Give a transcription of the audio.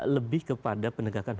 itu kan lebih kepada penegakannya